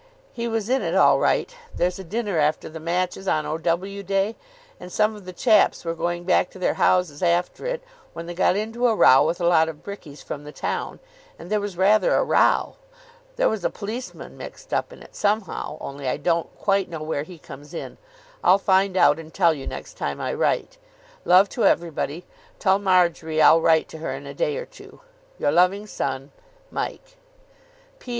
He was in it all right. There's a dinner after the matches on O.W. day, and some of the chaps were going back to their houses after it when they got into a row with a lot of brickies from the town, and there was rather a row. There was a policeman mixed up in it somehow, only I don't quite know where he comes in. I'll find out and tell you next time I write. Love to everybody. Tell Marjory I'll write to her in a day or two. "Your loving son, "MIKE. "P.